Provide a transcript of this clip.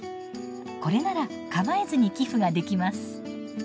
これなら構えずに寄付ができます。